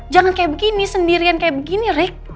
jangan kayak begini sendirian kayak begini rek